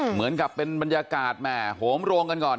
เหมือนกับเป็นบรรยากาศแหม่โหมโรงกันก่อน